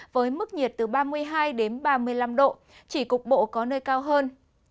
với mức nhiệt từ ba mươi hai đến ba mươi năm độ chỉ cục bộ có nơi cao hơn